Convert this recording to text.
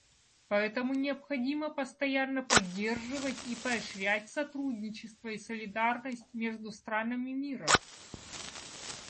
Поэтому необходимо постоянно поддерживать и поощрять сотрудничество и солидарность между странами мира.